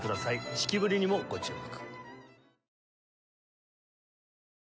指揮振りにもご注目。